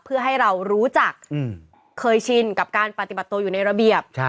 เพื่อให้เรารู้จักเคยชินกับการปฏิบัติตัวอยู่ในระเบียบ